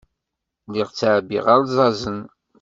Lliɣ ttɛebbiɣ alzazen.